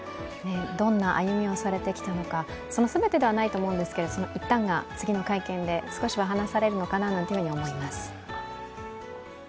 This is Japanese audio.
どんな歩みをされてきたのか、その全てではないと思うんですけど、その一端が次の会見で少しは話されるのかなと思います。